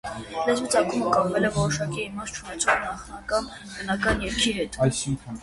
Լեզվի ծագումը կապել է որոշակի իմաստ չունեցող նախնական բնական երգերի հետ։